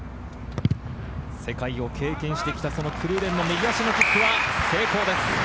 世界を経験してきた、そのクルーデンの右足のキックは成功です。